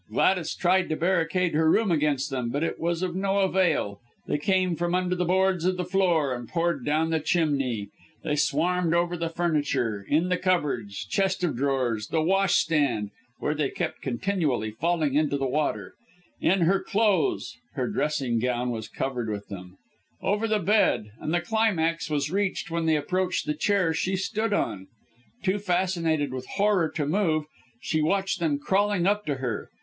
Gladys tried to barricade her room against them, but it was of no avail. They came from under the boards of the floor and poured down the chimney. They swarmed over the furniture, in the cupboards, chest of drawers, the washstand (where they kept continually falling into the water), in her clothes (her dressing gown was covered with them), over the bed, and the climax was reached when they approached the chair she stood on. Too fascinated with horror to move, she watched them crawling up to her.